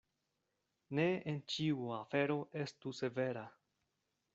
Ne en ĉiu afero estu severa.